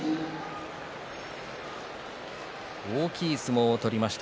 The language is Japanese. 大きい相撲を取りました